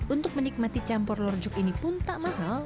untuk menikmati campur lorjuk ini pun tak mahal